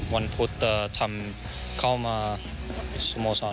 วันพุธเตอร์ทำเข้ามาสมศร